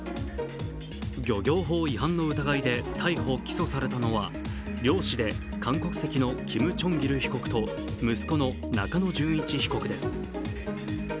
漁業法違反の疑いで逮捕・起訴されたのは漁師で韓国籍のキム・チョンギル被告と息子の中野純一被告です。